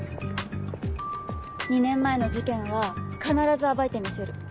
２年前の事件は必ず暴いてみせる。